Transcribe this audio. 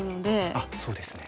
あっそうですね。